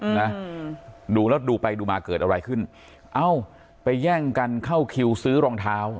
นะดูแล้วดูไปดูมาเกิดอะไรขึ้นเอ้าไปแย่งกันเข้าคิวซื้อรองเท้า